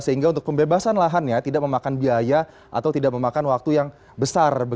sehingga untuk pembebasan lahannya tidak memakan biaya atau tidak memakan waktu yang besar